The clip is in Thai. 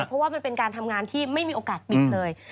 เพราะว่ามันเป็นการทำงานที่ไม่มีโอกาสปิดเลย